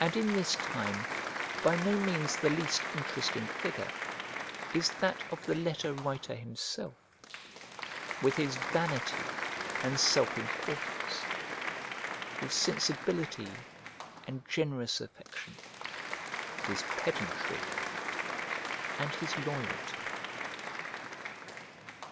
And in this time by no means the least interesting figure is that of the letter writer himself, with his vanity and self importance, his sensibility and generous affection, his pedantry and his loyalty.